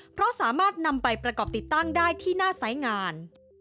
เพราะสามารถนำไปประกอบติดตั้งได้ที่หน้าสายงาน